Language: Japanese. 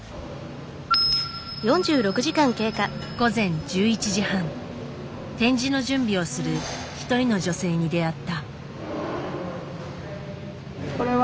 午前１１時半展示の準備をする一人の女性に出会った。